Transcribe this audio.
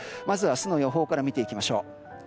まず、明日の予報から見ていきましょう。